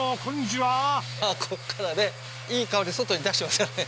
ここからねいい香り外に出してますからね。